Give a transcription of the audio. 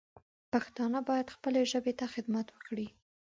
پښتانه باید خپلې ژبې ته خدمت وکړي